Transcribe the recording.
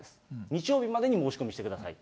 日曜日までに申し込みしてください。